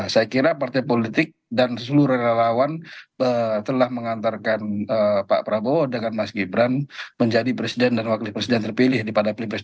saya kira partai politik dan seluruh relawan telah mengantarkan pak prabowo dengan mas gibran menjadi presiden dan wakil presiden terpilih pada pilpres dua ribu sembilan belas